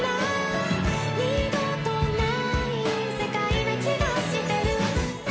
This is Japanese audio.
「二度とない世界な気がしてる」